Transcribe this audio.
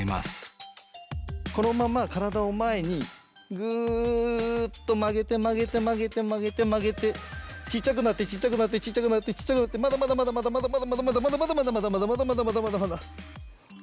このまま体を前にグっと曲げて曲げて曲げて曲げて曲げてちっちゃくなってちっちゃくなってちっちゃくなってちっちゃくなってまだまだまだまだまだまだ。